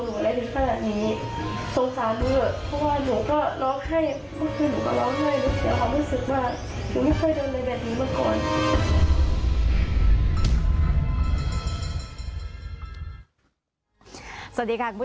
หนูเสียใจมากเลยค่ะว่าเขาทำแบบนี้กับหนู